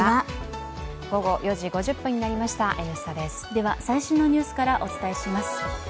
では最新のニュースからお伝えします。